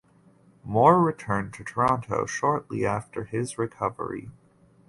Moore returned to Toronto shortly after his recovery.